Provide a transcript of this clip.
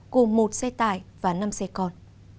cùng một xe tải và năm xe còn